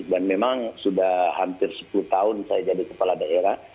dan memang sudah hampir sepuluh tahun saya jadi kepala daerah